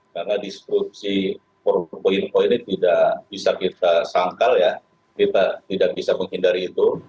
karena diskursi perpoin poin ini tidak bisa kita sangkal tidak bisa menghindari itu